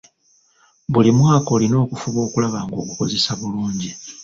Buli mwaka olina okufuba okulaba nga ogukozesa bulungi.